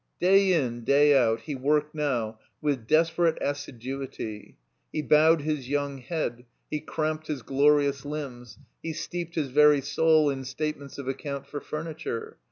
Day in day out he worked now with desperate assiduity. He bowed his yotmg head; he cramped his glorious Umbs; he steeped his very soul in state 63 THE COMBINED MAZE ments of account for furniture.